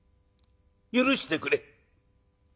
許してくれ。